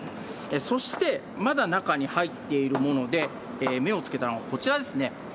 そして、まだ中に入っているもので、目をつけたのが、こちらですね。